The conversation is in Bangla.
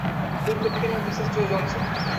দূর দক্ষিণের মিসেস জো জনসন।